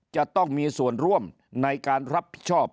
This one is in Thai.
จะต้องมีส่วนร่วมในการรับผิดชอบ